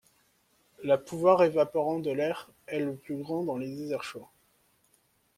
La pouvoir évaporant de l'air y est le plus grand dans les déserts chauds.